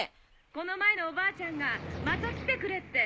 この前のおばあちゃんがまた来てくれって。